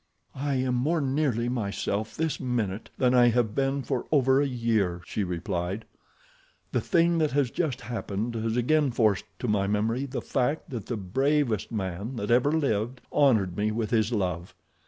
"I am more nearly myself this minute than I have been for over a year," she replied. "The thing that has just happened has again forced to my memory the fact that the bravest man that ever lived honored me with his love.